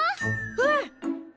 うん！